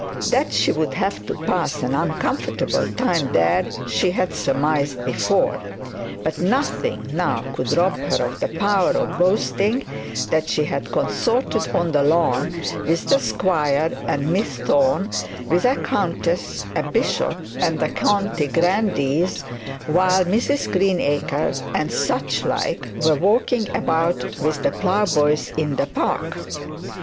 That she would have to pass an uncomfortable time there, she had surmised before. But nothing now could rob her of the power of boasting that she had consorted on the lawn with the squire and Miss Thorne, with a countess, a bishop, and the country grandees, while Mrs Greenacres and such like were walking about with the ploughboys in the park.